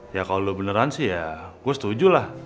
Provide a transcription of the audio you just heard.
ya kalo lu beneran sih ya gua setuju lah